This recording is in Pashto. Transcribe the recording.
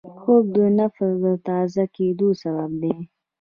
خوب د نفس د تازه کېدو سبب دی